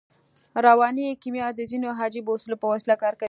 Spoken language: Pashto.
رواني کیمیا د ځينو عجیبو اصولو په وسیله کار کوي